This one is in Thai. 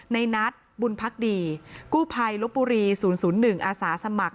ในนัดบุญพักดีกู้ไพรลบบุรีศูนย์ศูนย์หนึ่งอาสาสมัคร